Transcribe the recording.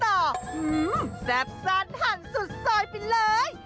อื้มแซ่บซานหันสุดซอยไปเลย